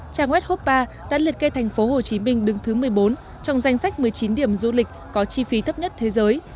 trang web hopa đã liệt kê thành phố hồ chí minh đứng thứ một mươi bốn trong danh sách một mươi chín điểm du lịch có chi phí thấp nhất thế giới